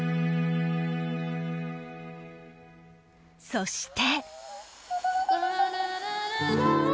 そして